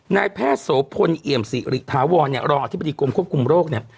นายแพทย์โสพลเอี่ยมสิริถาวรเนี่ยรองอธิบดีกรมควบคุมโรคเนี่ย